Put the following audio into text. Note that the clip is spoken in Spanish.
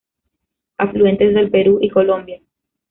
Afluentes del Perú y Colombia.